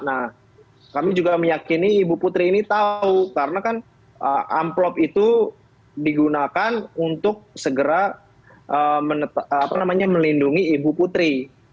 nah kami juga meyakini ibu putri ini tahu karena kan amplop itu digunakan untuk segera melindungi ibu putri